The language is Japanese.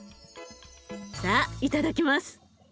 さあいただきます。